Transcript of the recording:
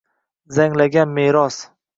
Zanglagan meros